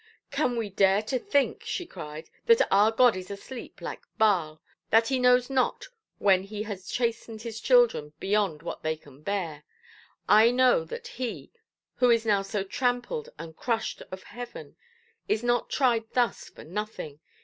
'Can we dare to think', she cried, 'that our God is asleep like Baal—that He knows not when He has chastened His children beyond what they can bear? I know that he, who is now so trampled and crushed of Heaven, is not tried thus for nothing.